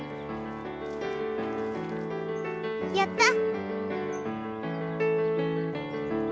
やった！